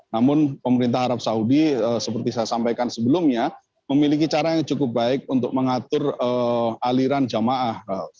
namun pemerintah arab saudi seperti saya sampaikan sebelumnya memiliki cara yang cukup baik untuk mengatur aliran jamaah